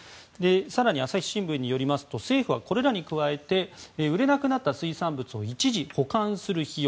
更に朝日新聞によりますと政府はこれらに加えて売れなくなった水産物を一時保管する費用